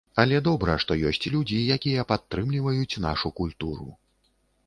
Але добра, што ёсць людзі, якія падтрымліваюць нашу культуру.